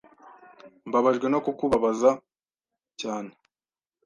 Mbabajwe no kukubabaza cyane.